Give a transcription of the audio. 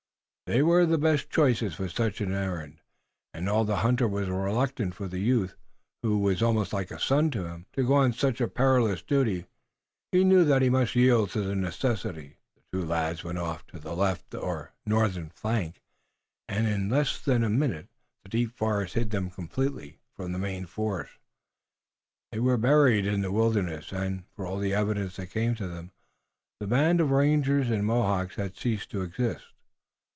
They were the best choice for such an errand, and although the hunter was reluctant for the youth, who was almost a son to him, to go on such a perilous duty, he knew that he must yield to the necessity. The two lads went off to the left or northern flank, and in less than a minute the deep forest hid them completely from the main force. They were buried in the wilderness, and, for all the evidence that came to them, the band of rangers and Mohawks had ceased to exist.